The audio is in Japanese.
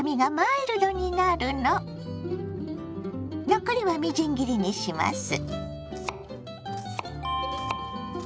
残りはみじん切りにします。